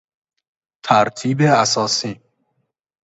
ترتیب اساسی